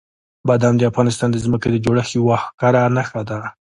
بادام د افغانستان د ځمکې د جوړښت یوه ښکاره نښه ده.